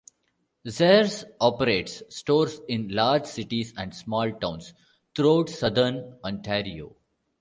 Zehrs operates stores in large cities and small towns throughout southern Ontario.